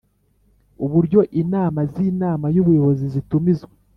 Uburyo inama z Inama y Ubuyobozi zitumizwa